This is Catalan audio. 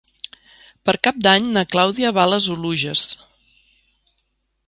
Per Cap d'Any na Clàudia va a les Oluges.